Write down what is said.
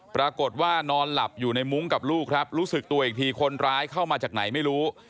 ปรากฏว่านอนหลับอยู่ในมุ้งกับลูกครับรู้สึกตัวอีกทีคนร้ายเข้ามาจากไหนไม่รู้